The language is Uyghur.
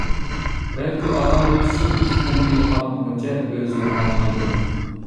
بەلكى ئۇ ئاداۋەت شۇ ئىككى تەننى يوقاتمىغۇچە ئۆزى يوقالمايدۇ.